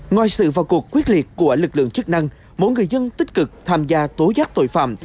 ngoài sự vào cuộc quyết liệt của lực lượng chức năng mỗi người dân tích cực tham gia tố giác tội phạm